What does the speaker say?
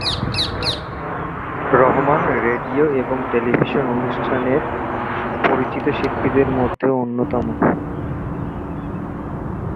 Rahman radio এবং television অনুষ্ঠানের পরিচিত শিল্পীদের মধ্যে অন্যতম।